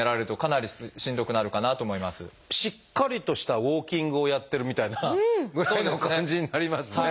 しっかりとしたウォーキングをやってるみたいなぐらいの感じになりますね。